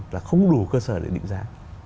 là không đủ cơ sở để định giá